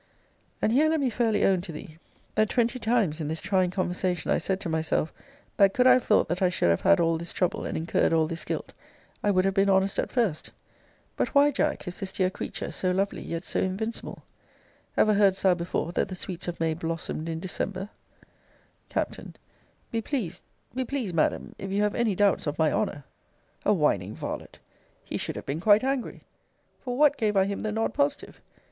And here let me fairly own to thee, that twenty times in this trying conversation I said to myself, that could I have thought that I should have had all this trouble, and incurred all this guilt, I would have been honest at first. But why, Jack, is this dear creature so lovely, yet so invincible? Ever heardst thou before that the sweets of May blossomed in December? Capt. Be pleased be pleased, Madam if you have any doubts of my honour A whining varlet! He should have been quite angry For what gave I him the nod positive?